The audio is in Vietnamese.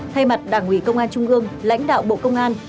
thay mặt đảng ủy công an trung ương lãnh đạo bộ công an